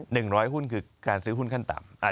๑๐๐หุ้นคือการซื้อหุ้นขั้นต่ำ